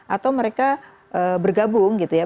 atau mereka bergabung gitu ya